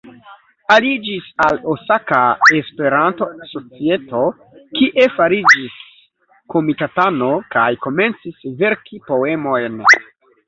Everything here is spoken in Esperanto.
Aliĝis al Osaka Esperanto-Societo, kie fariĝis komitatano, kaj komencis verki poemojn.